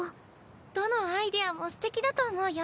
どのアイデアもステキだと思うよ。